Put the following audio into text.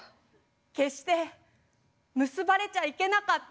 決して結ばれちゃいけなかった。